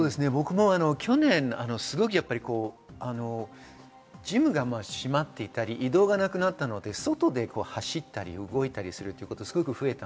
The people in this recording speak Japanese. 去年、ジムが閉まっていたり移動がなくなったので外で走ったり動いたりすることが増えました。